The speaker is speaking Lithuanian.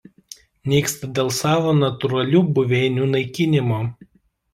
Nyksta dėl savo natūralių buveinių naikinimo.